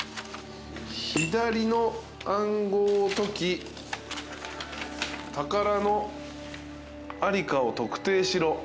「左の暗号を解き宝の在りかを特定しろ」